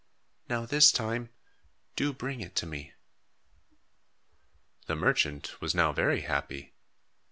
"Now this time, do bring it to me." The merchant was now very happy.